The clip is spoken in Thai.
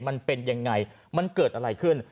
มันเป็นยังไงมันเกิดอะไรขึ้น